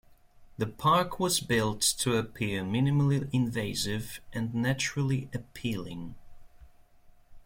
The park was built to appear minimally invasive and naturally appealing.